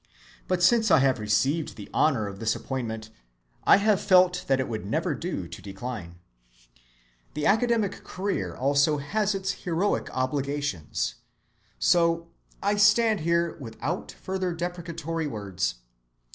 But since I have received the honor of this appointment I have felt that it would never do to decline. The academic career also has its heroic obligations, so I stand here without further deprecatory words.